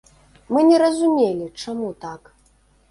Мы не разумелі, чаму так.